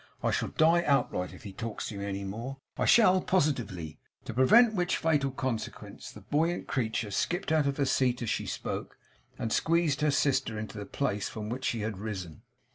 I shall die outright if he talks to me any more; I shall, positively!' To prevent which fatal consequence, the buoyant creature skipped out of her seat as she spoke, and squeezed her sister into the place from which she had risen.